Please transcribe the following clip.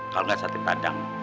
kalau gak sate padang